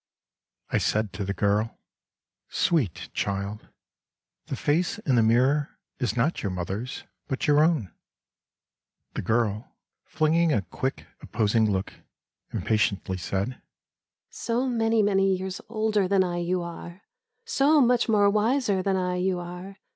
I said to the girl :' Sweet child, the face in the mirror Is not your mother's, but your own/ The girl flinging a quick opposing look, Impatiently said :' So many many years older than I you are, So much more wiser than I you are.